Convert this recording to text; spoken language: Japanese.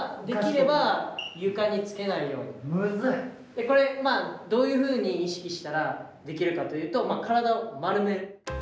これはどういうふうに意識したらできるかというと体を丸める。